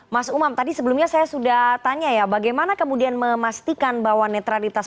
mas umam tadi sebelumnya saya sudah tanya ya bagaimana kemudian memastikan bahwa netralitas